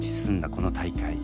この大会